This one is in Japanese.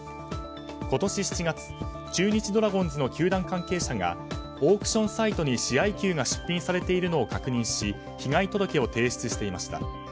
今年７月中日ドラゴンズの球団関係者がオークションサイトに試合球が出品されているのを確認し被害届を提出していました。